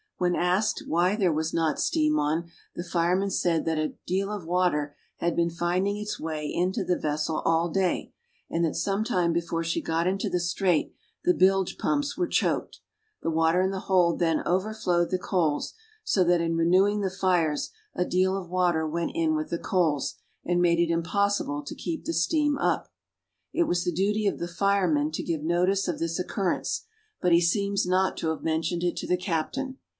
When asked, why there was not steam on, the fireman said that a deal of water had been finding its way into the vessel all day, and that sometime before she got into the strait, the bilge pumps were choked. The water in the hold then overflowed the coals; so that, in renewing the fires, a deal of water went in with the coals, and made it impossible to keep the steam up. It was the duty of the fireman to give notice of this occurrence; but he seems not to have mentioned it to the captain.